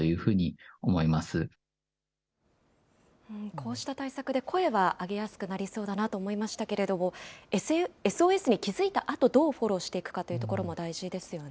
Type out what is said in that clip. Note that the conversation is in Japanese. こうした対策で声は上げやすくなりそうだなと思いましたけれども、ＳＯＳに気付いたあと、どうフォローしていくかというところも大事ですよね。